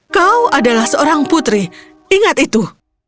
kau adalah seorang putri ingat itu